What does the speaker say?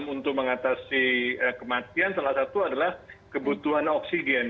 untuk mengatasi kematian salah satu adalah kebutuhan oksigen